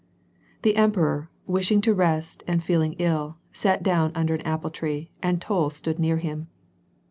The emperor, wishing to rest, and feeling ill, sat down under an apple tree, and Toll stood near him.